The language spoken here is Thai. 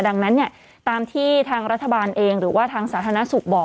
ดังนั้นเนี่ยตามที่ทางรัฐบาลเองหรือว่าทางสาธารณสุขบอก